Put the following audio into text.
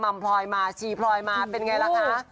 มพลอยมาชีพลอยมาเป็นไงล่ะคะ